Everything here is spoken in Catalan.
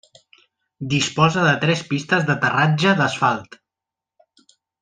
Disposa de tres pistes d'aterratge d'asfalt.